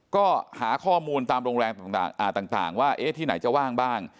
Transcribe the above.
ก็หาข้อมูลตามโรงแรมต่างว่าที่ไหนจะว่างบ้าง